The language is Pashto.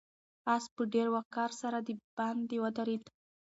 آس په ډېر وقار سره د باندې ودرېد.